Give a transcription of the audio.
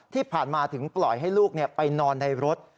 ที่ผ่านมาถึงปล่อยให้ลูกไปนอนในรถ